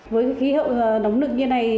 với khí hậu nóng lực như này